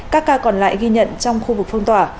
các ca còn lại ghi nhận trong khu vực phong tỏa